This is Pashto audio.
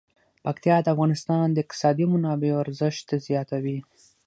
پکتیا د افغانستان د اقتصادي منابعو ارزښت زیاتوي.